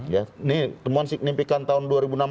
ini temuan signifikan tahun dua ribu enam belas